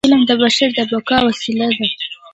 علم د بشر د بقاء وسیله ده.